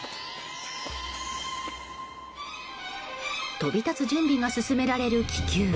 飛び立つ準備が進められる気球。